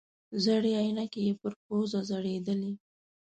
زړې عینکې یې پر پوزه ځړېدلې.